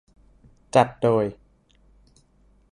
จัดโดย